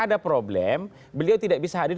ada problem beliau tidak bisa hadir